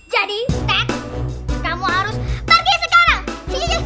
jadi teks kamu harus pergi sekarang